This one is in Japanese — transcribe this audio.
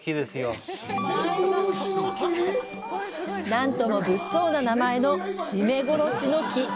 なんとも物騒な名前の締め殺しの木。